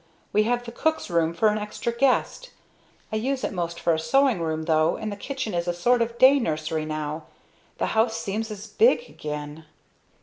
We have the cook's room for an extra guest; I use it most for a sewing room, though and the kitchen is a sort of day nursery now. The house seems as big again!"